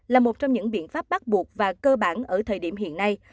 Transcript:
là một trong những biện pháp bắt buộc và cơ bản ở thời điểm hiện nay